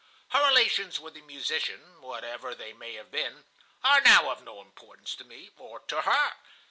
Her relations with the musician, whatever they may have been, are now of no importance to me or to her.